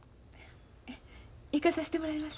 ええ行かさしてもらいます。